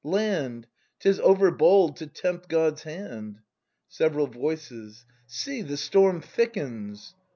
] Land! 'Tis overbold to tempt God's hand! Several Voices. See, the storm thickens!